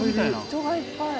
人がいっぱい。